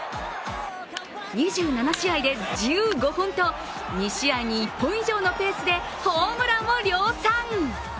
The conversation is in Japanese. ２７試合で１５本と２試合に１本以上のペースでホームランを量産。